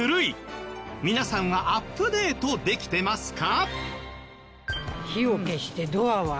皆さんはアップデートできてますか？